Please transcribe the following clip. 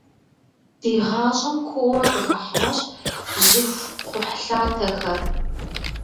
Ди гъащӏэм куууэ къыхыхьащ жьыхукхъухьлъатэхэр.